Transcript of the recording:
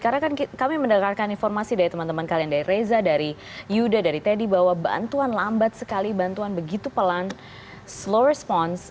karena kan kami mendengarkan informasi dari teman teman kalian dari reza dari yuda dari teddy bahwa bantuan lambat sekali bantuan begitu pelan slow response